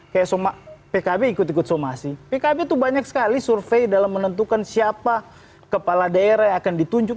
kayak somak pkb ikut ikut somasi pkb tuh banyak sekali survei dalam menentukan siapa kepala daerah yang akan ditunjuk